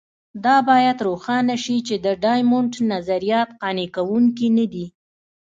دا باید روښانه شي چې د ډایمونډ نظریات قانع کوونکي نه دي.